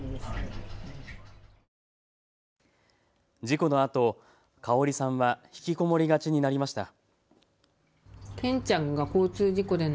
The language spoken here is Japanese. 事故のあと香さんは引きこもりがちになりました。